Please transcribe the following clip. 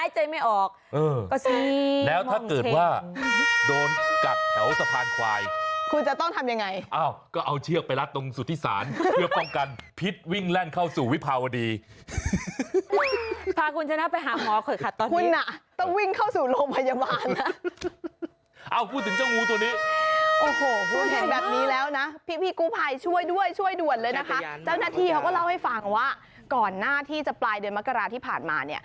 โดนกัดแถวสะพานควายคุณจะต้องทำยังไงเอ้าก็เอาเชือกไปรัดตรงสุธิศาลเพื่อป้องกันพิษวิ่งแร่งเข้าสู่วิภาวดีพากุญชนัตริย์ไปหาหมอเถอะค่ะตอนนี้คุณน่ะต้องวิ่งเข้าสู่โรงพยาบาลนะเอ้าพูดถึงเจ้างูตัวนี้โอ้โหพูดแห่งแบบนี้แล้วนะพี่พี่กุภัยช่วยด้วยช่วยด่วนเลยนะคะแ